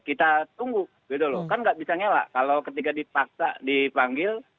kita tunggu gitu loh kan nggak bisa ngela kalau ketika dipaksa dipanggil